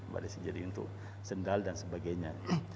mbak desi jadi untuk sendal dan sebagainya